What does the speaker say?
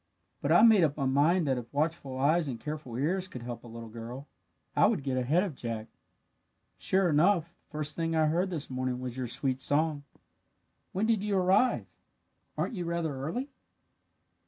"But I made up my mind that if watchful eyes and careful ears could help a little girl, I would get ahead of Jack. "Sure enough, the first thing I heard this morning was your sweet song. When did you arrive? Aren't you rather early?"